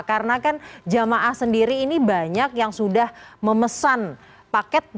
karena kan jemaah sendiri ini banyak yang sudah memesan paket